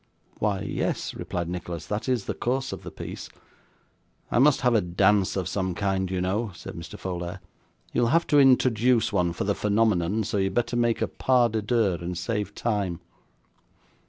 'Why yes,' replied Nicholas: 'that is the course of the piece.' 'I must have a dance of some kind, you know,' said Mr. Folair. 'You'll have to introduce one for the phenomenon, so you'd better make a PAS DE DEUX, and save time.